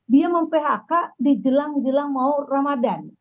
dia mem phk di jelang jelang mau ramadan